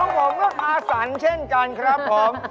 ผมก็คาสันเช่นกันครับผม